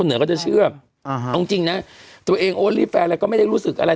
เหนือก็จะเชื่ออ่าฮะเอาจริงนะตัวเองโอลี่แฟนอะไรก็ไม่ได้รู้สึกอะไร